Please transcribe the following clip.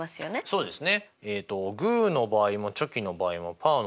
そうです。